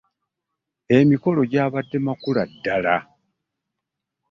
Emikolo gyabadde makula ddala.